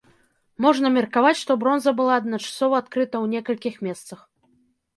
Можна меркаваць, што бронза была адначасова адкрыта ў некалькіх месцах.